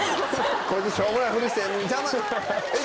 こいつしょうもないふりして邪魔！